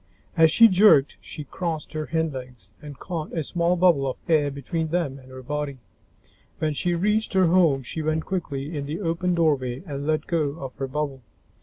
As she jerked, she crossed her hindlegs and caught a small bubble of air between them and her body. When she reached her home, she went quickly in the open doorway and let go of her bubble.